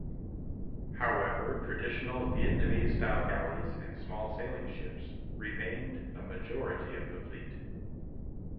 However, traditional Vietnamese-style galleys and small sailing ships remained the majority of the fleet.